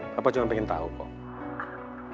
papa cuma pengen tau kok